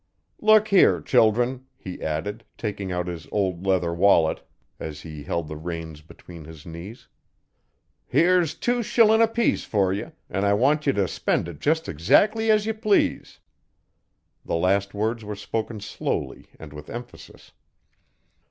'Look here, children,' he added, taking out his old leather wallet, as he held the reins between his knees. 'Here's tew shillin' apiece for ye, an' I want ye t' spend it jest eggsackly as ye please.' The last words were spoken slowly and with emphasis.